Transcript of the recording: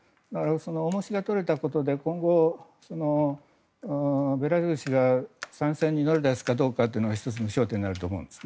その重しが取れたことで今後、ベラルーシが参戦に乗り出すかどうかっていうことは１つの焦点になると思います。